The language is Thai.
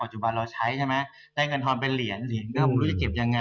จุบันเราใช้ใช่ไหมได้เงินทอนเป็นเหรียญเหรียญก็ไม่รู้จะเก็บยังไง